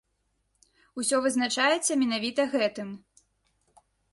Усё вызначаецца менавіта гэтым.